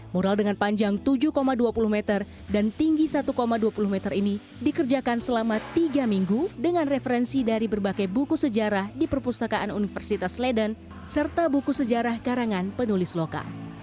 mural dengan panjang tujuh dua puluh meter dan tinggi satu dua puluh meter ini dikerjakan selama tiga minggu dengan referensi dari berbagai buku sejarah di perpustakaan universitas leden serta buku sejarah karangan penulis lokal